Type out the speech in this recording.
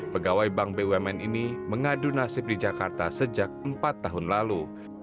pegawai bank bumn ini mengadu nasib di jakarta sejak empat tahun lalu